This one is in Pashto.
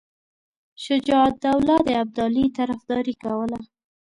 شجاع الدوله د ابدالي طرفداري کوله.